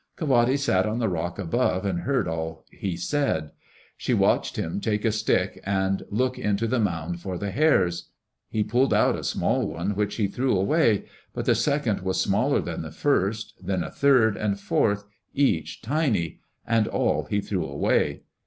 Ka wate sat on the rock above and heard all he said. She watched him take a stick and look into the mound for the hares. He pulled out a small one which he threw away. But the second was smaller than the first. Then a third and a fourth, each tiny, and all he threw away.